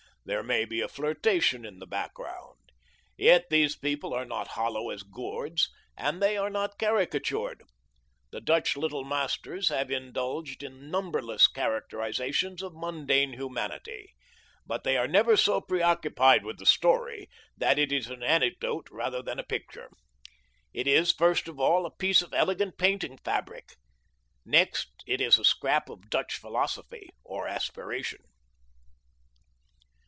There may be a flirtation in the background. Yet these people are not hollow as gourds, and they are not caricatured. The Dutch Little Masters have indulged in numberless characterizations of mundane humanity. But they are never so preoccupied with the story that it is an anecdote rather than a picture. It is, first of all, a piece of elegant painting fabric. Next it is a scrap of Dutch philosophy or aspiration.